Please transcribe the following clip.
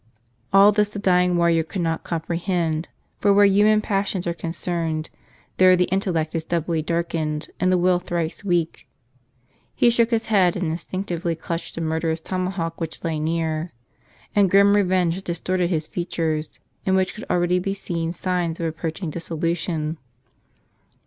All this the dying warrior could not comprehend; for where human passions are concerned, there the intellect is doubly darkened and the will thrice weak. He shook his head and instinctively clutched a mur¬ derous tomahawk which lay near. And grim revenge distorted his features, in which could already be seen signs of approaching dissolution.